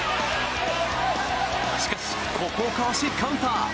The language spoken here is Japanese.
しかし、ここをかわしカウンター。